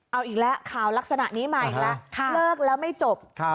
เอาอีกแล้วข่าวลักษณะนี้มาอีกแล้วเลิกแล้วไม่จบ